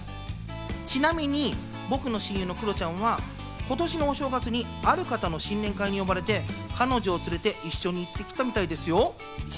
ちなみに僕の親友のクロちゃんは今年のお正月にある方の新年会に呼ばれて彼女を連れて、一緒に行ってきたみたいですよ。